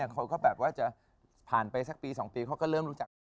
เขาก็แบบว่าผ่านไปสักปี๒ปีก็เริ่มรู้จัก